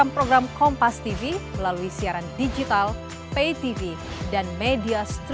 allah akbar allah akbar allah akbar